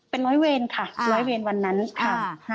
เป็นร้อยเวรค่ะร้อยเวรวันนั้นค่ะ